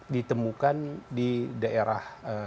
ditemukan di daerah